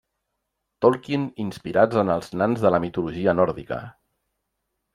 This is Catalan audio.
Tolkien inspirats en els nans de la mitologia nòrdica.